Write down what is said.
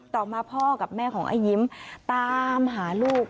ต่อมาพ่อกับแม่ของอายิ้มตามหาลูก